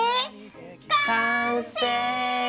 完成！